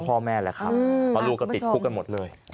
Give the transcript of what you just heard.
พ่อแม่แหละครับเพราะลูกก็ติดคุกกันหมดเลย